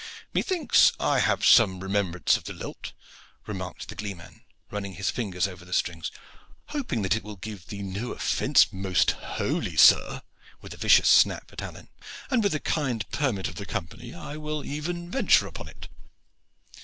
"Methinks I have some remembrance of the lilt," remarked the gleeman, running his fingers over the strings. "Hoping that it will give thee no offence, most holy sir" with a vicious snap at Alleyne "and with the kind permit of the company, I will even venture upon it."